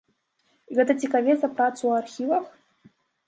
Гэта цікавей за працу ў архівах?